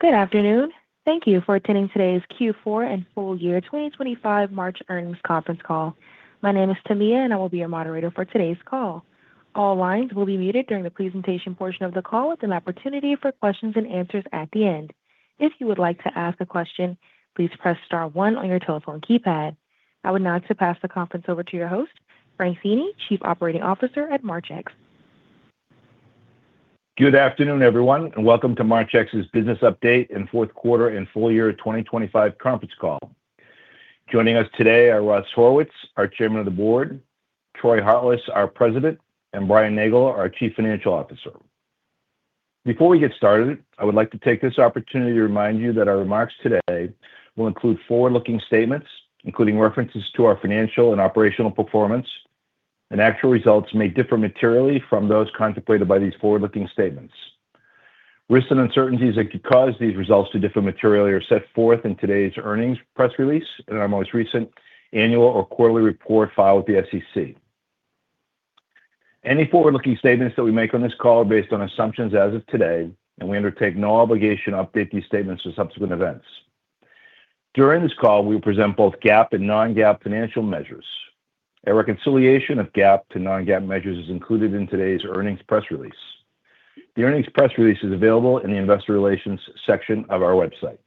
Good afternoon. Thank you for attending today's Q4 and full year 2025 Marchex Earnings Conference Call. My name is Tamia, and I will be your moderator for today's call. All lines will be muted during the presentation portion of the call with an opportunity for questions and answers at the end. If you would like to ask a question, please press star one on your telephone keypad. I would now pass the conference over to your host, Francis Feeney, Chief Operating Officer at Marchex. Good afternoon, everyone, and welcome to Marchex's business update and fourth quarter and full year 2025 conference call. Joining us today are Russell Horowitz, our Chairman of the Board, Troy Hartless, our President, and Brian Nagle, our Chief Financial Officer. Before we get started, I would like to take this opportunity to remind you that our remarks today will include forward-looking statements, including references to our financial and operational performance, and actual results may differ materially from those contemplated by these forward-looking statements. Risks and uncertainties that could cause these results to differ materially are set forth in today's earnings press release in our most recent annual or quarterly report filed with the SEC. Any forward-looking statements that we make on this call are based on assumptions as of today, and we undertake no obligation to update these statements for subsequent events. During this call, we will present both GAAP and non-GAAP financial measures. A reconciliation of GAAP to non-GAAP measures is included in today's earnings press release. The earnings press release is available in the investor relations section of our website.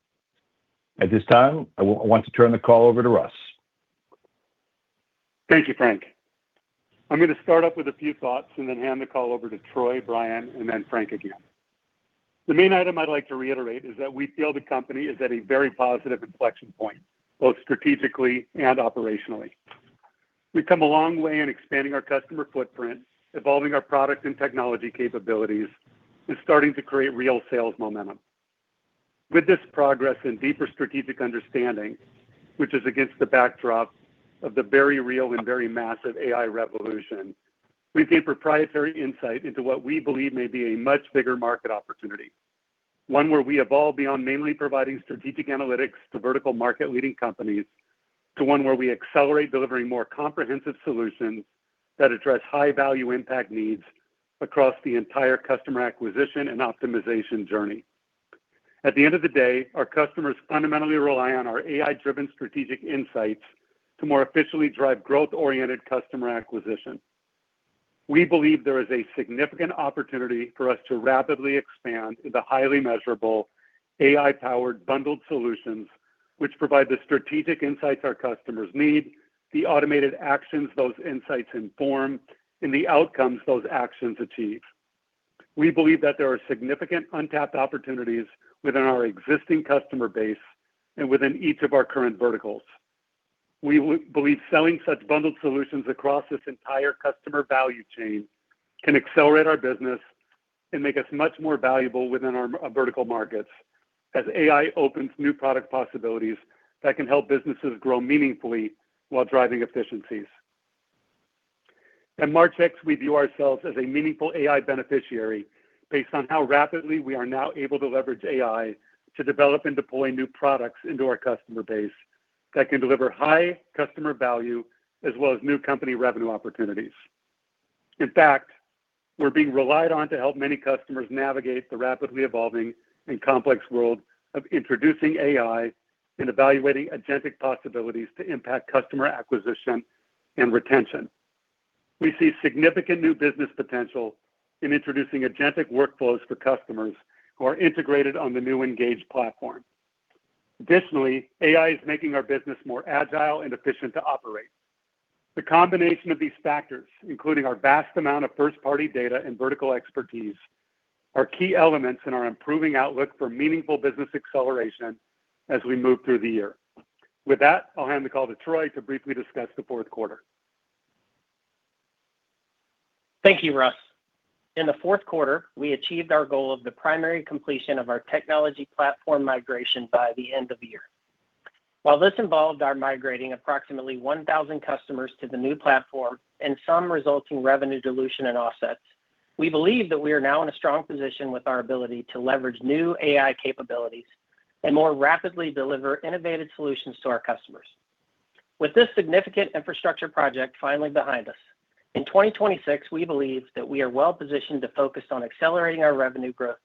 At this time, I want to turn the call over to Russ. Thank you, Frank. I'm gonna start off with a few thoughts and then hand the call over to Troy, Brian, and then Frank again. The main item I'd like to reiterate is that we feel the company is at a very positive inflection point, both strategically and operationally. We've come a long way in expanding our customer footprint, evolving our product and technology capabilities, and starting to create real sales momentum. With this progress and deeper strategic understanding, which is against the backdrop of the very real and very massive AI revolution, we gain proprietary insight into what we believe may be a much bigger market opportunity, one where we evolve beyond mainly providing strategic analytics to vertical market leading companies, to one where we accelerate delivering more comprehensive solutions that address high-value impact needs across the entire customer acquisition and optimization journey. At the end of the day, our customers fundamentally rely on our AI-driven strategic insights to more efficiently drive growth-oriented customer acquisition. We believe there is a significant opportunity for us to rapidly expand into highly measurable AI-powered bundled solutions which provide the strategic insights our customers need, the automated actions those insights inform, and the outcomes those actions achieve. We believe that there are significant untapped opportunities within our existing customer base and within each of our current verticals. We believe selling such bundled solutions across this entire customer value chain can accelerate our business and make us much more valuable within our vertical markets as AI opens new product possibilities that can help businesses grow meaningfully while driving efficiencies. At Marchex, we view ourselves as a meaningful AI beneficiary based on how rapidly we are now able to leverage AI to develop and deploy new products into our customer base that can deliver high customer value as well as new company revenue opportunities. In fact, we're being relied on to help many customers navigate the rapidly evolving and complex world of introducing AI and evaluating agentic possibilities to impact customer acquisition and retention. We see significant new business potential in introducing agentic workflows for customers who are integrated on the new Engage platform. Additionally, AI is making our business more agile and efficient to operate. The combination of these factors, including our vast amount of first-party data and vertical expertise, are key elements in our improving outlook for meaningful business acceleration as we move through the year. With that, I'll hand the call to Troy to briefly discuss the fourth quarter. Thank you, Russ. In the fourth quarter, we achieved our goal of the primary completion of our technology platform migration by the end of the year. While this involved our migrating approximately 1,000 customers to the new platform and some resulting revenue dilution and offsets, we believe that we are now in a strong position with our ability to leverage new AI capabilities and more rapidly deliver innovative solutions to our customers. With this significant infrastructure project finally behind us, in 2026, we believe that we are well-positioned to focus on accelerating our revenue growth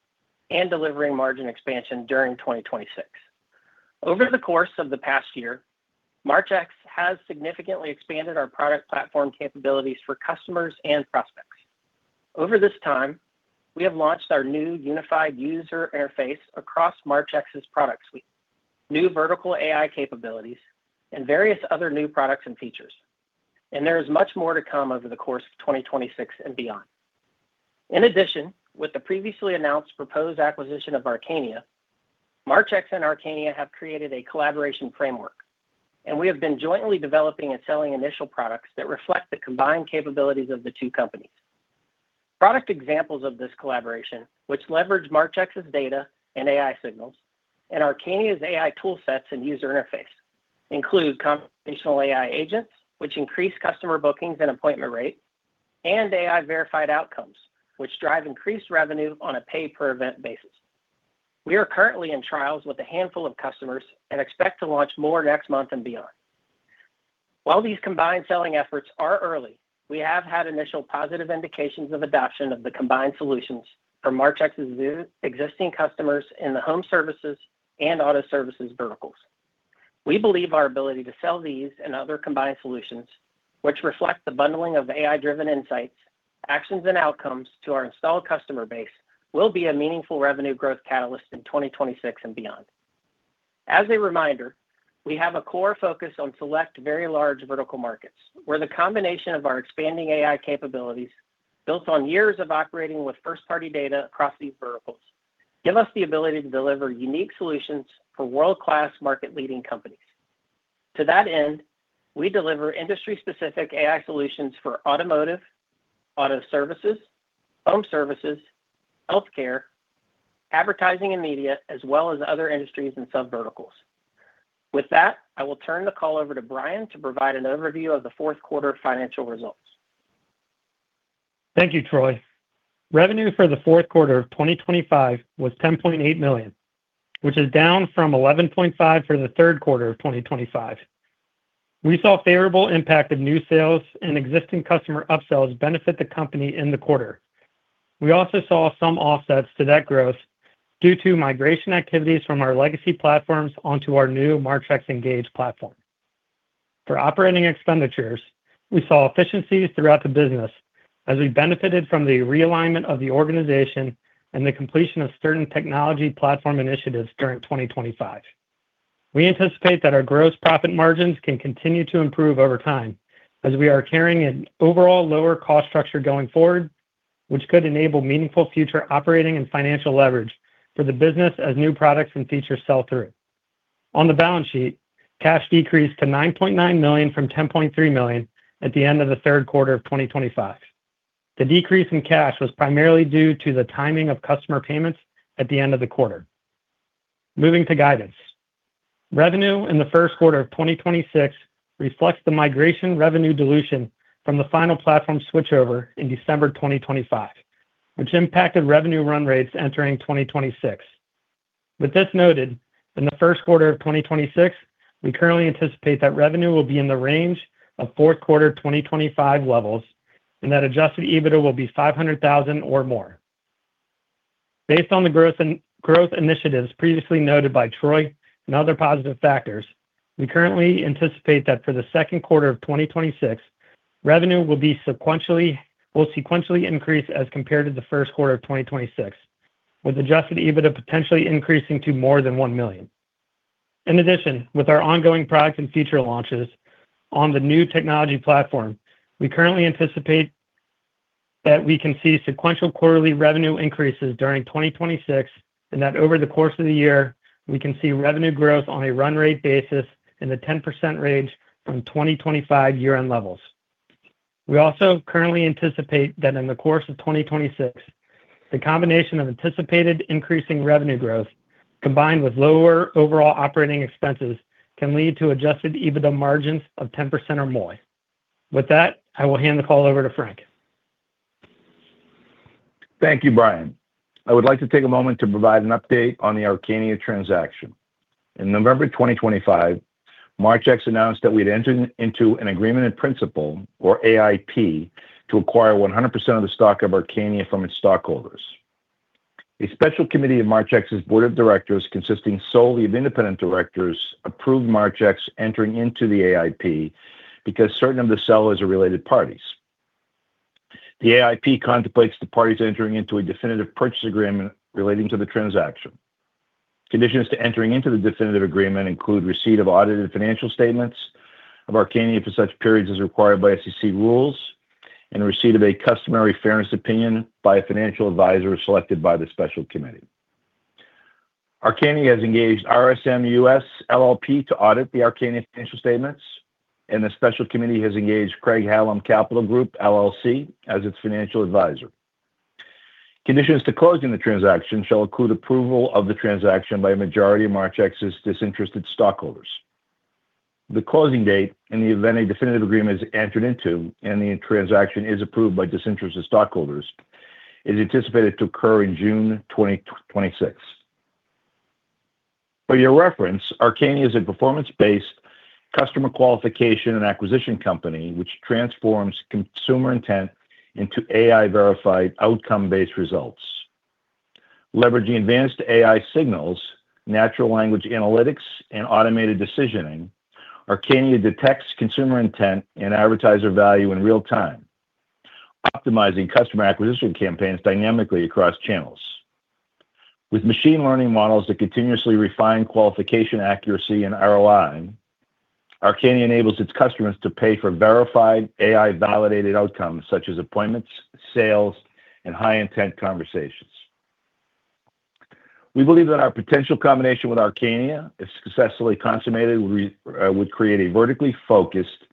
and delivering margin expansion during 2026. Over the course of the past year, Marchex has significantly expanded our product platform capabilities for customers and prospects. Over this time, we have launched our new unified user interface across Marchex's product suite, new vertical AI capabilities, and various other new products and features. There is much more to come over the course of 2026 and beyond. In addition, with the previously announced proposed acquisition of Archenia, Marchex and Archenia have created a collaboration framework, and we have been jointly developing and selling initial products that reflect the combined capabilities of the two companies. Product examples of this collaboration, which leverage Marchex's data and AI signals and Archenia's AI tool sets and user interface, include conversational AI agents, which increase customer bookings and appointment rate, and AI-verified outcomes, which drive increased revenue on a pay-per-event basis. We are currently in trials with a handful of customers and expect to launch more next month and beyond. While these combined selling efforts are early, we have had initial positive indications of adoption of the combined solutions from Marchex's existing customers in the home services and auto services verticals. We believe our ability to sell these and other combined solutions, which reflect the bundling of AI-driven insights, actions and outcomes to our installed customer base, will be a meaningful revenue growth catalyst in 2026 and beyond. As a reminder, we have a core focus on select very large vertical markets, where the combination of our expanding AI capabilities built on years of operating with first-party data across these verticals give us the ability to deliver unique solutions for world-class market-leading companies. To that end, we deliver industry-specific AI solutions for automotive, auto services, home services, healthcare, advertising and media, as well as other industries and subverticals. With that, I will turn the call over to Brian to provide an overview of the fourth quarter financial results. Thank you, Troy. Revenue for the fourth quarter of 2025 was $10.8 million, which is down from $11.5 million for the third quarter of 2025. We saw favorable impact of new sales and existing customer upsells benefit the company in the quarter. We also saw some offsets to that growth due to migration activities from our legacy platforms onto our new Marchex Engage platform. For operating expenditures, we saw efficiencies throughout the business as we benefited from the realignment of the organization and the completion of certain technology platform initiatives during 2025. We anticipate that our gross profit margins can continue to improve over time as we are carrying an overall lower cost structure going forward, which could enable meaningful future operating and financial leverage for the business as new products and features sell through. On the balance sheet, cash decreased to $9.9 million from $10.3 million at the end of the third quarter of 2025. The decrease in cash was primarily due to the timing of customer payments at the end of the quarter. Moving to guidance. Revenue in the first quarter of 2026 reflects the migration revenue dilution from the final platform switchover in December 2025, which impacted revenue run rates entering 2026. With this noted, in the first quarter of 2026, we currently anticipate that revenue will be in the range of fourth quarter 2025 levels, and that Adjusted EBITDA will be $500,000 or more. Based on the growth and initiatives previously noted by Troy and other positive factors, we currently anticipate that for the second quarter of 2026, revenue will sequentially increase as compared to the first quarter of 2026, with Adjusted EBITDA potentially increasing to more than $1 million. In addition, with our ongoing product and feature launches on the new technology platform, we currently anticipate that we can see sequential quarterly revenue increases during 2026, and that over the course of the year, we can see revenue growth on a run rate basis in the 10% range from 2025 year-end levels. We also currently anticipate that in the course of 2026, the combination of anticipated increasing revenue growth combined with lower overall operating expenses can lead to Adjusted EBITDA margins of 10% or more. With that, I will hand the call over to Frank. Thank you, Brian. I would like to take a moment to provide an update on the Archenia transaction. In November 2025, Marchex announced that we had entered into an agreement in principle or AIP to acquire 100% of the stock of Archenia from its stockholders. A special committee of Marchex's board of directors, consisting solely of independent directors, approved Marchex entering into the AIP because certain of the sellers are related parties. The AIP contemplates the parties entering into a definitive purchase agreement relating to the transaction. Conditions to entering into the definitive agreement include receipt of audited financial statements of Archenia for such periods as required by SEC rules and receipt of a customary fairness opinion by a financial advisor selected by the special committee. Archenia has engaged RSM US LLP to audit the Archenia financial statements, and the special committee has engaged Craig-Hallum Capital Group LLC as its financial advisor. Conditions to closing the transaction shall include approval of the transaction by a majority of Marchex's disinterested stockholders. The closing date in the event a definitive agreement is entered into and the transaction is approved by disinterested stockholders is anticipated to occur in June 2026. For your reference, Archenia is a performance-based customer qualification and acquisition company which transforms consumer intent into AI-verified outcome-based results. Leveraging advanced AI signals, natural language analytics, and automated decisioning, Archenia detects consumer intent and advertiser value in real time, optimizing customer acquisition campaigns dynamically across channels. With machine learning models that continuously refine qualification accuracy and ROI, Archenia enables its customers to pay for verified AI-validated outcomes such as appointments, sales, and high-intent conversations. We believe that our potential combination with Archenia, if successfully consummated, would create a vertically focused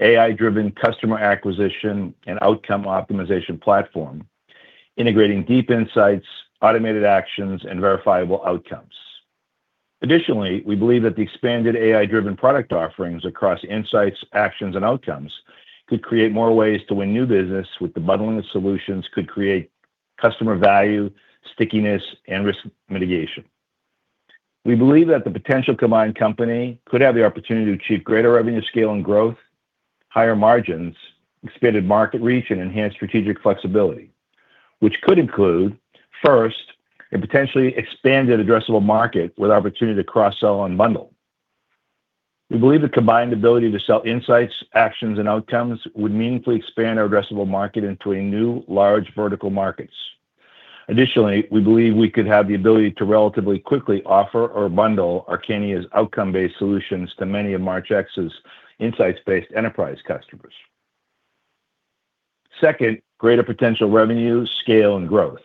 AI-driven customer acquisition and outcome optimization platform, integrating deep insights, automated actions, and verifiable outcomes. Additionally, we believe that the expanded AI-driven product offerings across insights, actions, and outcomes could create more ways to win new business, with the bundling of solutions could create customer value, stickiness, and risk mitigation. We believe that the potential combined company could have the opportunity to achieve greater revenue scale and growth, higher margins, expanded market reach, and enhanced strategic flexibility which could include, first, a potentially expanded addressable market with opportunity to cross-sell and bundle. We believe the combined ability to sell insights, actions, and outcomes would meaningfully expand our addressable market into a new large vertical markets. Additionally, we believe we could have the ability to relatively quickly offer or bundle Archenia's outcome-based solutions to many of Marchex's insights-based enterprise customers. Second, greater potential revenue, scale, and growth.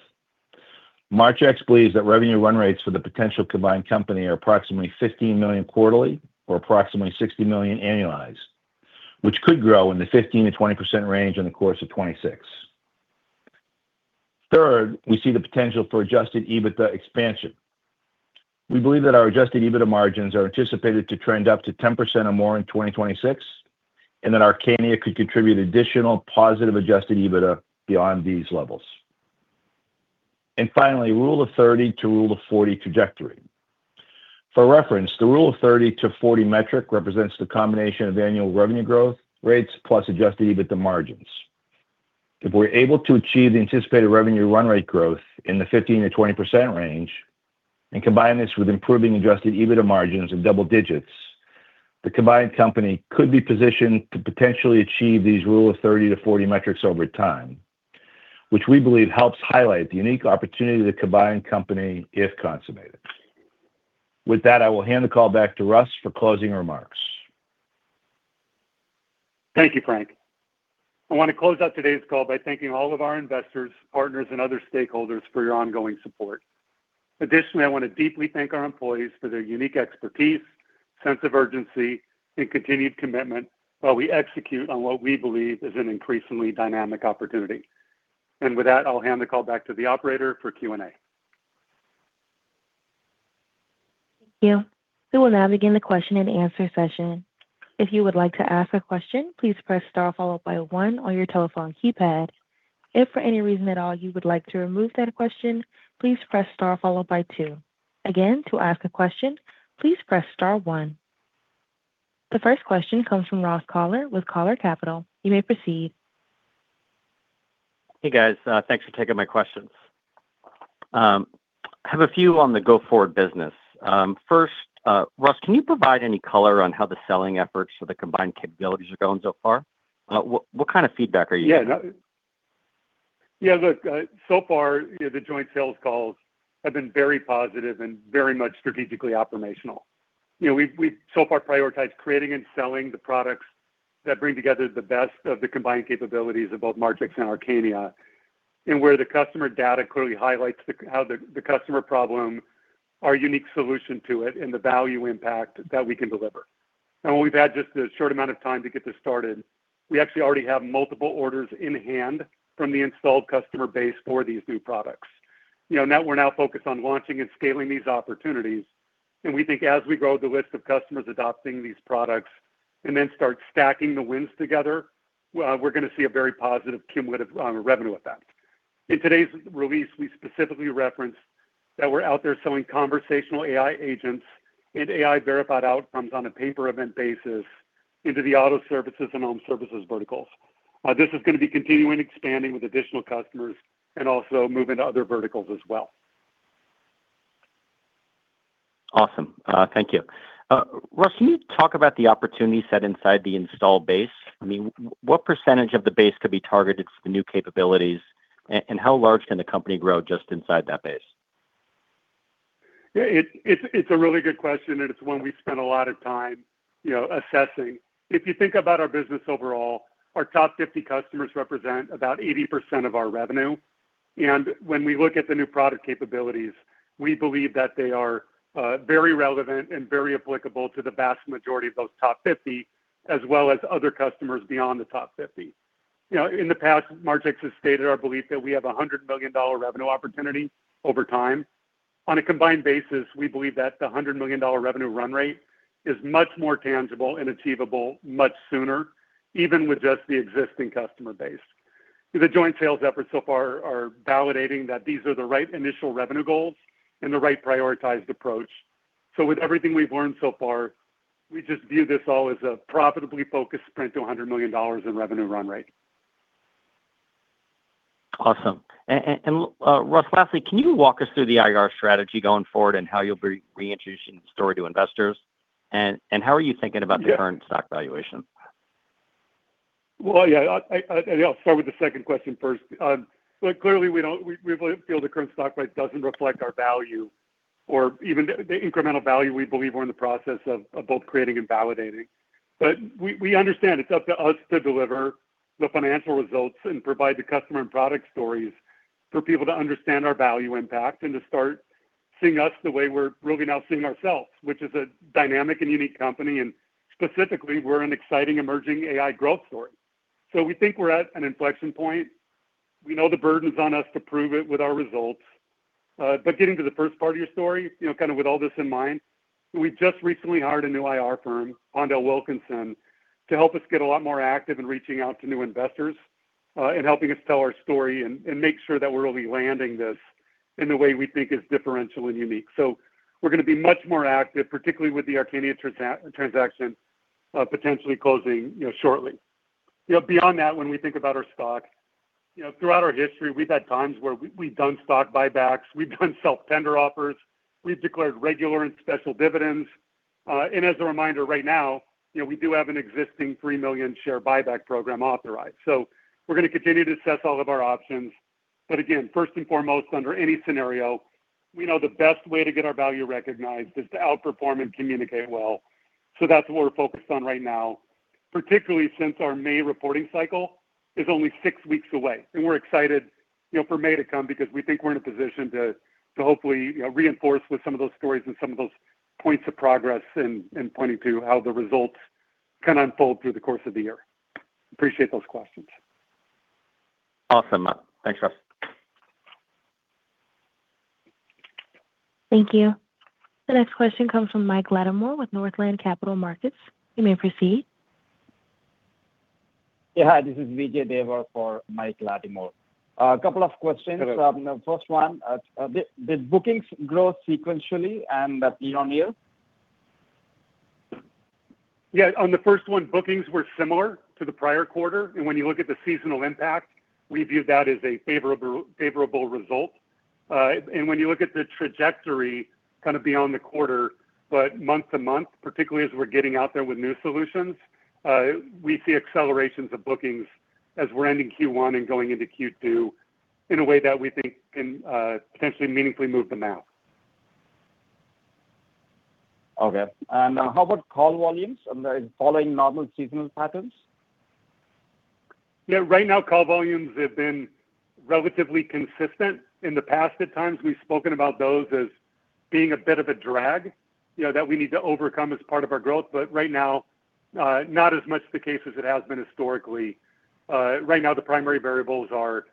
Marchex believes that revenue run rates for the potential combined company are approximately $15 million quarterly or approximately $60 million annualized, which could grow in the 15%-20% range in the course of 2026. Third, we see the potential for Adjusted EBITDA expansion. We believe that our Adjusted EBITDA margins are anticipated to trend up to 10% or more in 2026, and that Archenia could contribute additional positive Adjusted EBITDA beyond these levels. Finally, Rule of 30 to Rule of 40 trajectory. For reference, the Rule of 30-40 metric represents the combination of annual revenue growth rates plus Adjusted EBITDA margins. If we're able to achieve the anticipated revenue run rate growth in the 15%-20% range and combine this with improving Adjusted EBITDA margins in double digits, the combined company could be positioned to potentially achieve these Rule of 30-40 metrics over time, which we believe helps highlight the unique opportunity to combined company if consummated. With that, I will hand the call back to Russ for closing remarks. Thank you, Frank. I wanna close out today's call by thanking all of our investors, partners, and other stakeholders for your ongoing support. Additionally, I wanna deeply thank our employees for their unique expertise, sense of urgency, and continued commitment while we execute on what we believe is an increasingly dynamic opportunity. With that, I'll hand the call back to the operator for Q&A. Thank you. We will now begin the question and answer session. If you would like to ask a question, please press star followed by one on your telephone keypad. If for any reason at all you would like to remove that question, please press star followed by two. Again, to ask a question, please press star one. The first question comes from Ross Koller with Koller Capital. You may proceed. Hey, guys. Thanks for taking my questions. I have a few on the go-forward business. First, Russ, can you provide any color on how the selling efforts for the combined capabilities are going so far? What kind of feedback are you getting? Yeah. Look, so far, you know, the joint sales calls have been very positive and very much strategically operational. You know, we've so far prioritized creating and selling the products that bring together the best of the combined capabilities of both Marchex and Archenia, and where the customer data clearly highlights how the customer problem, our unique solution to it, and the value impact that we can deliver. We've had just a short amount of time to get this started. We actually already have multiple orders in hand from the installed customer base for these new products. You know, now we're focused on launching and scaling these opportunities, and we think as we grow the list of customers adopting these products and then start stacking the wins together, we're gonna see a very positive cumulative revenue effect. In today's release, we specifically referenced that we're out there selling conversational AI agents and AI-verified outcomes on a pay-per-event basis into the auto services and home services verticals. This is gonna be continuing expanding with additional customers and also move into other verticals as well. Awesome. Thank you. Russ, can you talk about the opportunity set inside the installed base? I mean, what percentage of the base could be targeted to the new capabilities, and how large can the company grow just inside that base? It's a really good question, and it's one we've spent a lot of time, you know, assessing. If you think about our business overall, our top 50 customers represent about 80% of our revenue. When we look at the new product capabilities, we believe that they are very relevant and very applicable to the vast majority of those top 50 as well as other customers beyond the top 50. You know, in the past, Marchex has stated our belief that we have a $100 million revenue opportunity over time. On a combined basis, we believe that the $100 million revenue run rate is much more tangible and achievable much sooner, even with just the existing customer base. The joint sales efforts so far are validating that these are the right initial revenue goals and the right prioritized approach. With everything we've learned so far, we just view this all as a profitably focused sprint to $100 million in revenue run rate. Awesome. Russ, lastly, can you walk us through the IR strategy going forward and how you'll be reintroducing the story to investors? How are you thinking about- Yeah. the current stock valuation? Well, yeah, I'll start with the second question first. Look, clearly we feel the current stock price doesn't reflect our value or even the incremental value we believe we're in the process of both creating and validating. But we understand it's up to us to deliver the financial results and provide the customer and product stories for people to understand our value impact and to start seeing us the way we're really now seeing ourselves, which is a dynamic and unique company, and specifically, we're an exciting emerging AI growth story. We think we're at an inflection point. We know the burden's on us to prove it with our results. Getting to the first part of your story, you know, kind of with all this in mind, we just recently hired a new IR firm, Ondel Wilkinson, to help us get a lot more active in reaching out to new investors, in helping us tell our story and make sure that we're really landing this in the way we think is differential and unique. We're gonna be much more active, particularly with the Archenia transaction potentially closing, you know, shortly. You know, beyond that, when we think about our stock, you know, throughout our history we've had times where we've done stock buybacks, we've done self-tender offers, we've declared regular and special dividends. As a reminder right now, you know, we do have an existing 3 million share buyback program authorized. We're gonna continue to assess all of our options. again, first and foremost, under any scenario, we know the best way to get our value recognized is to outperform and communicate well, so that's what we're focused on right now, particularly since our May reporting cycle is only six weeks away. We're excited, you know, for May to come because we think we're in a position to hopefully, you know, reinforce with some of those stories and some of those points of progress and pointing to how the results kinda unfold through the course of the year. Appreciate those questions. Awesome. Thanks, Russ. Thank you. The next question comes from Mike Latimore with Northland Capital Markets. You may proceed. Yeah, hi. This is Vijay Devar for Mike Latimore. A couple of questions. Go ahead. The first one, did bookings grow sequentially and year-over-year? Yeah. On the first one, bookings were similar to the prior quarter, and when you look at the seasonal impact, we view that as a favorable result. When you look at the trajectory kind of beyond the quarter, but month-to-month, particularly as we're getting out there with new solutions, we see accelerations of bookings as we're ending Q1 and going into Q2 in a way that we think can potentially meaningfully move the map. Okay. How about call volumes? Are they following normal seasonal patterns? Yeah. Right now call volumes have been relatively consistent. In the past, at times, we've spoken about those as being a bit of a drag, you know, that we need to overcome as part of our growth, but right now, not as much the case as it has been historically. Right now the primary variables are,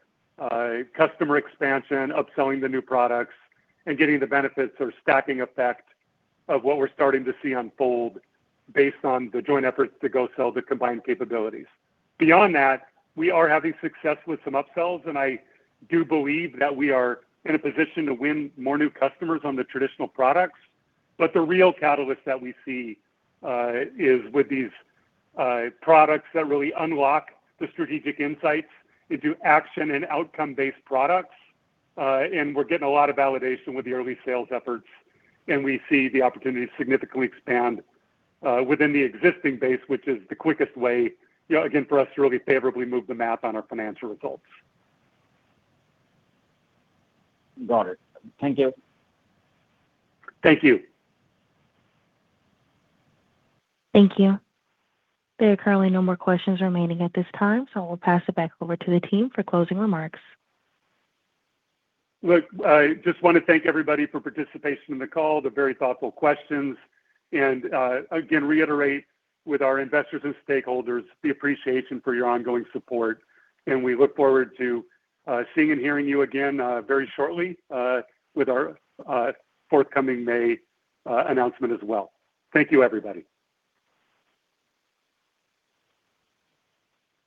customer expansion, upselling the new products, and getting the benefits or stacking effect of what we're starting to see unfold based on the joint efforts to go sell the combined capabilities. Beyond that, we are having success with some upsells, and I do believe that we are in a position to win more new customers on the traditional products. But the real catalyst that we see, is with these, products that really unlock the strategic insights into action and outcome-based products. We're getting a lot of validation with the early sales efforts, and we see the opportunity to significantly expand within the existing base, which is the quickest way, you know, again, for us to really favorably move the map on our financial results. Got it. Thank you. Thank you. Thank you. There are currently no more questions remaining at this time, so I will pass it back over to the team for closing remarks. Look, I just wanna thank everybody for participation in the call, the very thoughtful questions. Again, reiterate with our investors and stakeholders the appreciation for your ongoing support. We look forward to seeing and hearing you again very shortly with our forthcoming May announcement as well. Thank you, everybody.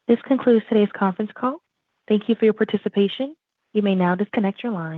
This concludes today's conference call. Thank you for your participation. You may now disconnect your line.